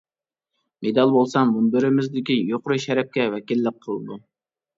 مېدال بولسا مۇنبىرىمىزدىكى يۇقىرى شەرەپكە ۋەكىللىك قىلىدۇ.